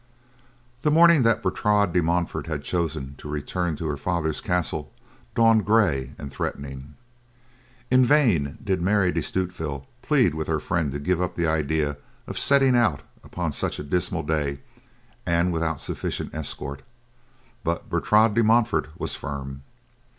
The morning that Bertrade de Montfort had chosen to return to her father's castle dawned gray and threatening. In vain did Mary de Stutevill plead with her friend to give up the idea of setting out upon such a dismal day and without sufficient escort, but Bertrade de Montfort was firm.